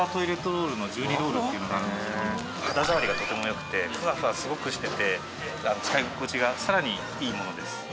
肌触りがとても良くてフワフワすごくしていて使い心地がさらにいいものです。